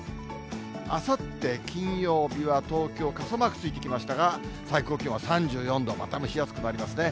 あさって金曜日は東京、傘マークついてきましたが、最高気温は３４度、また蒸し暑くなりますね。